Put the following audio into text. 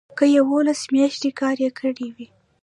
که یوولس میاشتې کار یې کړی وي.